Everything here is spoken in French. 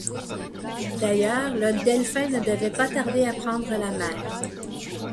D’ailleurs, le Delphin ne devait pas tarder à prendre la mer.